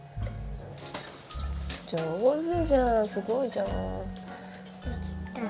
上手じゃんすごいじゃん。できた。